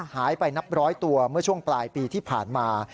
หายไปนับร้อยตัวเมื่อช่วงปลายปีที่ผ่านมา